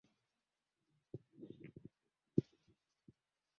Elagabali alimtuma simba wake na mbwa katika vyumba vya wageni wake baada ya kulewa